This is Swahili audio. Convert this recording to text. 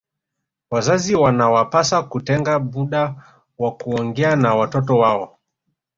Wazazi wanawapasa kutenga muda wa kuongea na watoto wao